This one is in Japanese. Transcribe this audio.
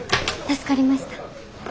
助かりました。